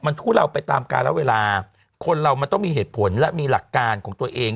มันทุเลาไปตามการเวลาคนเรามันต้องมีเหตุผลและมีหลักการของตัวเอง